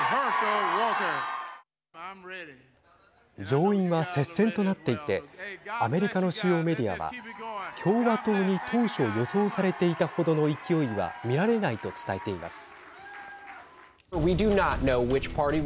上院は接戦となっていてアメリカの主要メディアは共和党に当初予想されていた程の勢いは見られないと伝えています。